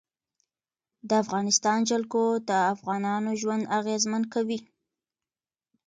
د افغانستان جلکو د افغانانو ژوند اغېزمن کوي.